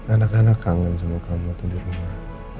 anak anak kangen semua kamu itu di rumah